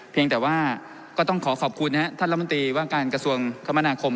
เพียงแต่ว่าก็ต้องขอขอบคุณนะครับท่านรัฐมนตรีว่าการกระทรวงคมนาคม